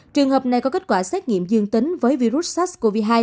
trường hợp này có kết quả xét nghiệm dương tính với virus sars cov hai